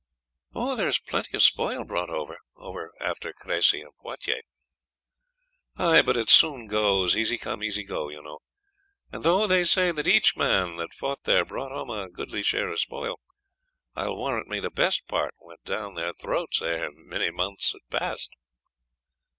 "There was plenty of spoil brought over, dame, after Cressy and Poitiers." "Ay, but it soon goes; easy come, easy go, you know; and though they say that each man that fought there brought home a goodly share of spoil, I will warrant me the best part went down their throats ere many months had passed."